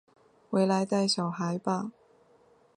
回来带小孩吧